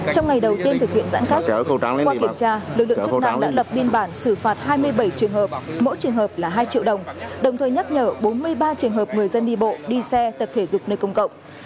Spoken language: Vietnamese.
trong ngày đầu tiên thực hiện giãn cách qua kiểm tra lực lượng chức năng đã lập biên bản xử phạt hai mươi bảy trường hợp mỗi trường hợp là hai triệu đồng đồng thời nhắc nhở bốn mươi ba trường hợp người dân đi bộ đi xe tập thể dục nơi công cộng